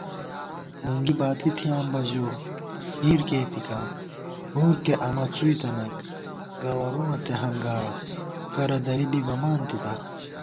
نُنگی باتی تھیاں بہ ژو، ہِیر کېئیتِکاں، ہُور کے امہ څُوئی تَنَئیک * گوَرُومہ تے ہنگارہ کرہ دری بی بمانتِتا